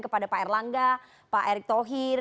kepada pak erlangga pak erek tohir